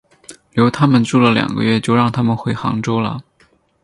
留他们住了两个月就让他们回杭州了。